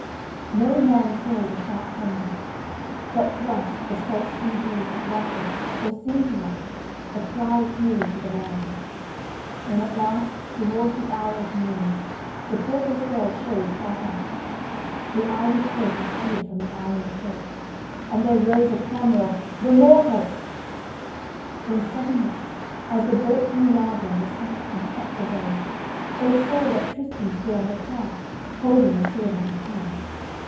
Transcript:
No man saw the sharp combat; but thrice the salt sea breeze had wafted or seemed to waft a cry of fury to the land, when at last towards the hour of noon the purple sail showed far off; the Irish boat appeared from the island shore, and there rose a clamour of "the Morholt!" When suddenly, as the boat grew larger on the sight and topped a wave, they saw that Tristan stood on the prow holding a sword in his hand.